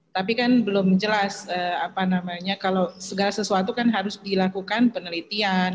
tapi kan belum jelas apa namanya kalau segala sesuatu kan harus dilakukan penelitian